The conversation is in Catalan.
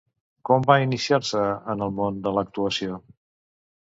Com va iniciar-se en el món de l'actuació?